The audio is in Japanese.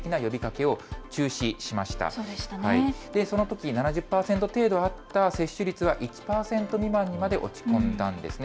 そのとき７０％程度あった接種率は１％未満にまで落ち込んだんですね。